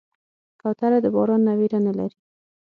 کوتره د باران نه ویره نه لري.